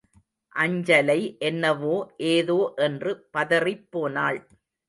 அஞ்சலை என்னவோ ஏதோ என்று பதறிப்போனாள்.